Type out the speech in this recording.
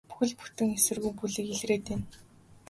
Бүхэл бүтэн эсэргүү бүлэг илрээд байна.